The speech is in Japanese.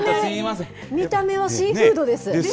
見た目はシーフードです。